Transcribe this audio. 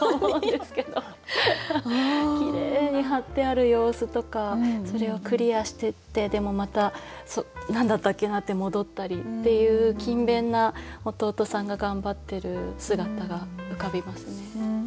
きれいに貼ってある様子とかそれをクリアしてってでもまた何だったっけなって戻ったりっていう勤勉な弟さんが頑張ってる姿が浮かびますね。